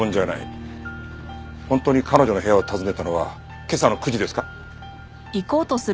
本当に彼女の部屋を訪ねたのは今朝の９時ですか？